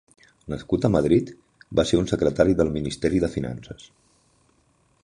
Nascut a Madrid, va ser un secretari del ministeri de finances.